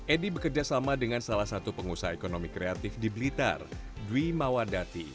edi bekerja sama dengan salah satu pengusaha ekonomi kreatif di blitar dwi mawadati